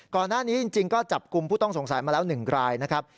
ก่อนหน้านี้จริงก็จับกลุ่มผู้ต้องสงสัยมาแล้ว๑รายนะครับ